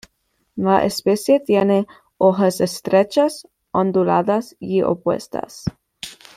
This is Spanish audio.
La especie tiene hojas estrechas, onduladas y opuestas.